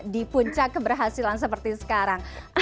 di puncak keberhasilan seperti sekarang